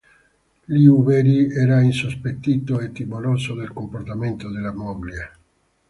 Liu Bei era insospettito e timoroso del comportamento della moglie.